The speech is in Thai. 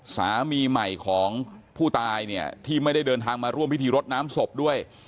สามีใหม่ของผู้ตายเนี่ยที่ไม่ได้เดินทางมาร่วมพิธีรดน้ำศพด้วย